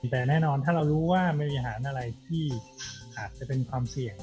แต่แน่นอนถ้าเรารู้ว่าบริหารอะไรที่อาจจะเป็นความเสี่ยง